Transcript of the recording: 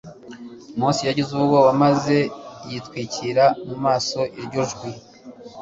Mose yagize ubwoba maze yitwikira mu maso Iryo jwi